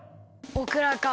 オクラか。